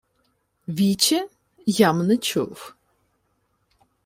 — Віче? Я-м не чув...